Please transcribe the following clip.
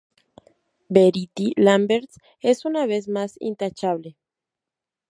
Verity Lambert es una vez más intachable".